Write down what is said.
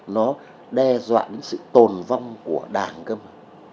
nó đe dọa đến sự tồn vong của đảng cơ mà